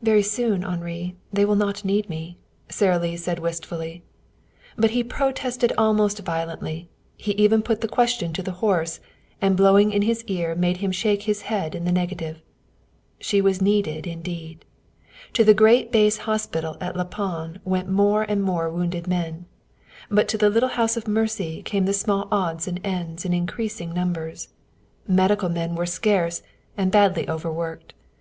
"Very soon, Henri, they will not need me," Sara Lee said wistfully. But he protested almost violently. He even put the question to the horse, and blowing in his ear made him shake his head in the negative. She was needed, indeed. To the great base hospital at La Panne went more and more wounded men. But to the little house of mercy came the small odds and ends in increasing numbers. Medical men were scarce, and badly overworked.